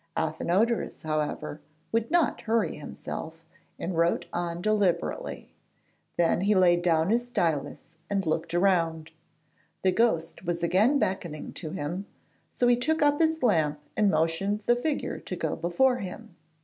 Athenodorus, however, would not hurry himself, and wrote on deliberately. Then he laid down his stylus and looked round. The ghost was again beckoning to him, so he took up the lamp and motioned the figure to go before him.